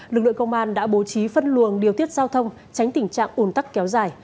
lực lượng công an đã bố trí phân luồng điều tiết giao thông tránh tình trạng ủn tắc kéo dài